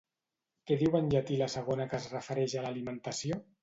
Què diu en llatí la segona que es refereix a l'alimentació?